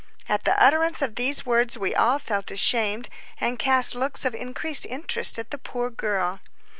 At the utterance of these words we all felt ashamed and cast looks of increased interest at the poor girl.